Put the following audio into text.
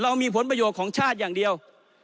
เรามีผลประโยชน์ของชาติอย่างเดียว